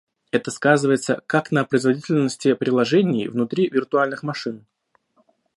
Это сказывается как на производительности приложений внутри виртуальных машин